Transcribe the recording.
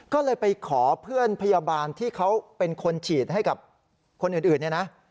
ก็เลยไปขอเพื่อนพยาบาลที่เขาเป็นคนฉีดให้กับคนอื่นเนี่ยนะ